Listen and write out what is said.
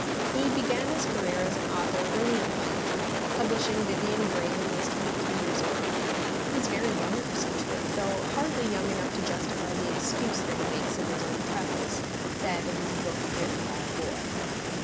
He began his career as an author early in life, publishing Vivian Grey when he was twenty three years old. He was very young for such work, though hardly young enough to justify the excuse that he makes in his own preface, that it is a book written by a boy.